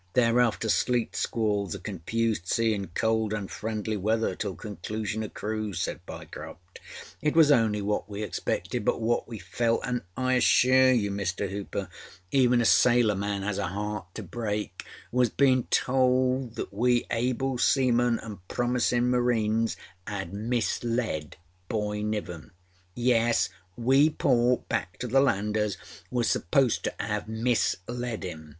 Thereafter sleet squalls, a confused sea, and cold, unfriendly weather till conclusion oâ cruise,â said Pyecroft. âIt was only what we expected, but what we felt, anâ I assure you, Mr. Hooper, even a sailor man has a heart to break, was beinâ told that we able seamen anâ promisinâ marines âad misled Boy Niven. Yes, we poor back to the landers was supposed to âave misled him!